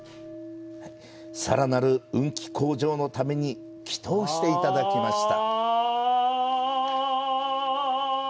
さらなる運気向上のために祈祷していただきました。